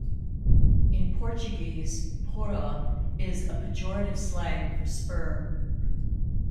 In Portuguese, "Porra" is a pejorative slang for sperm.